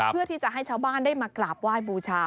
เพื่อที่จะให้ชาวบ้านได้มากราบไหว้บูชา